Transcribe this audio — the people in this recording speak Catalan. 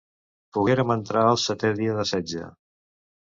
Pogueren entrar el setè dia de setge.